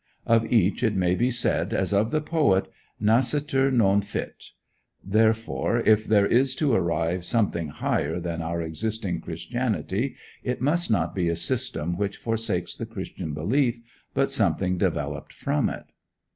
Of each it may be said, as of the poet: "Nascitur, non fit." Therefore, if there is to arrive something higher than our existing Christianity, it must not be a system which forsakes the Christian belief, but something developed from it.